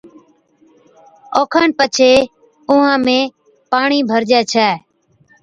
اوکن پڇي اُونھان ۾ پاڻِي ڀرجَي ڇَي